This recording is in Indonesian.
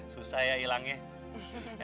susah ya ilangnya